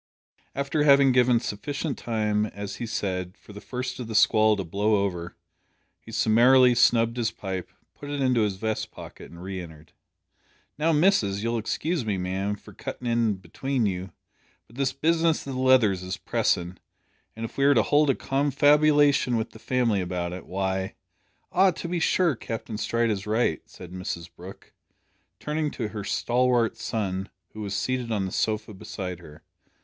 After having given sufficient time, as he said, "for the first o' the squall to blow over," he summarily snubbed his pipe, put it into his vest pocket, and re entered. "Now, missus, you'll excuse me, ma'am, for cuttin' in atween you, but this business o' the Leathers is pressin', an' if we are to hold a confabulation wi' the family about it, why " "Ah, to be sure, Captain Stride is right," said Mrs Brooke, turning to her stalwart son, who was seated on the sofa beside her.